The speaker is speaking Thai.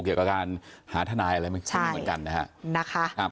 เกี่ยวกับการหาทนายอะไรแบบนี้เหมือนกันนะคะ